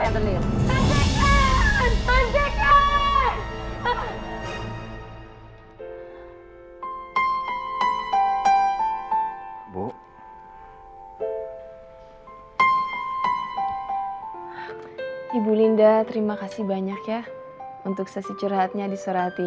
yang bening anjakan anjakan bu ibu linda terima kasih banyak ya untuk sasi curhatnya disorati